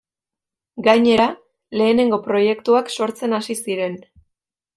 Gainera, lehenengo proiektuak sortzen hasi ziren.